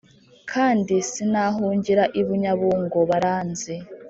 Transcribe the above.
kandi sinahungira ibunyabungo baranzi